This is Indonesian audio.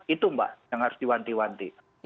itu mbak yang harus diwanti wanti